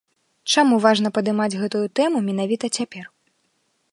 Чаму важна падымаць гэтую тэму менавіта цяпер?